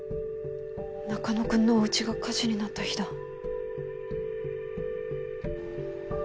中野くんのおうちが火事になった日だ。